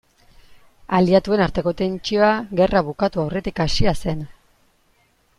Aliatuen arteko tentsioa gerra bukatu aurretik hasia zen.